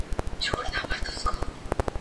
موږ سولې ته اړتیا لرو.